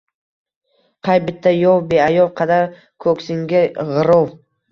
Qay bitta yov beayov, qadar koʼksingga gʼarov